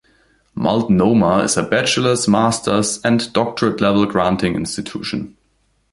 Multnomah is a bachelor's, master's and doctorate level granting institution.